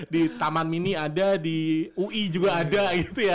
di taman mini ada di ui juga ada gitu ya